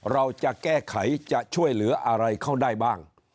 เราจะแก้ไขจะช่วยเหลืออะไรเขาได้บ้าง